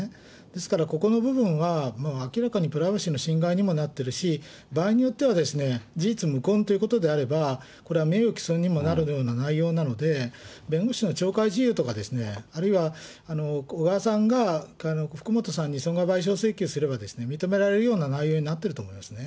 ですから、ここの部分は明らかにプライバシーの侵害にもなってるし、場合によっては事実無根ということであれば、これは名誉毀損にもなるような内容なので、弁護士の懲戒事由とか、あるいは小川さんが福本さんに損害賠償請求すれば、認められるような内容になっていると思いますね。